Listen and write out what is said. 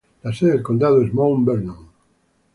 La sede del condado es Mount Vernon.